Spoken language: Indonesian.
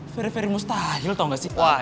very very mustahil tau gak sih